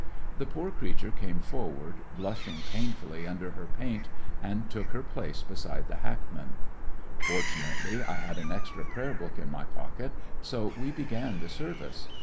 The poor creature came forward, blushing painfully under her paint, and took her place beside the hackman. Fortunately 20 baptism ]VlissionarY in tge Great West I had an extra prayer book in my pocket, so we began the service.